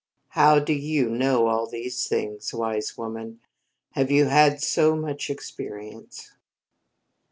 "How do you know all of these things, Wise Woman? Have you had so much experience?"